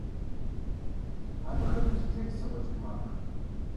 Абы хэту зэхех дзыгъуэ кӀий макъ.